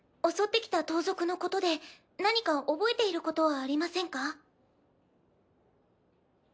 襲ってきた盗賊のことで何か覚えていることはありませんか？